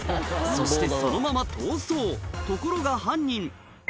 そしてそのまま逃走ところが犯人